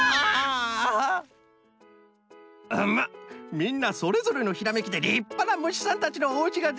みんなそれぞれのひらめきでりっぱなむしさんたちのおうちができた。